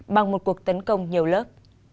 bằng một cuộc tấn công nhiều lớp